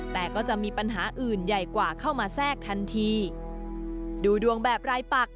แต่ก็จะมีปัญหาอื่นใหญ่กว่าเข้ามาแทรกทันทีดูดวงแบบรายปัก